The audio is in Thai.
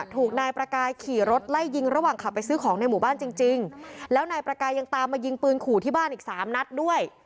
ถูกนายประกายขี่รถไล่ยิงระหว่างขับไปซื้อของในหมู่บ้านจริงจริงแล้วนายประกายยังตามมายิงปืนขู่ที่บ้านอีกสามนัดด้วย